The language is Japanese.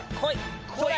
こい！